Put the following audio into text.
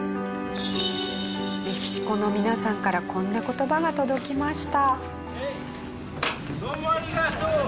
メキシコの皆さんからこんな言葉が届きました。